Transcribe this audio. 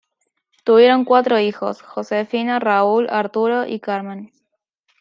Tuvieron cuatro hijos: Josefina, Raúl, Arturo y Carmen.